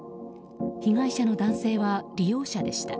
被害者の男性は利用者でした。